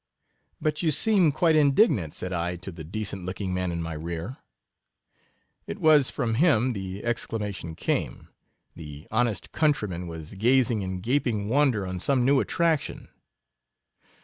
But you seem quite indignant, said J, to the decent looking man in my rear. It was from him the exclamation came: the honest countryman was gazing in gaping wonder on some new attraction.